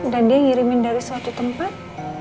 dan dia ngirimin dari suatu tempat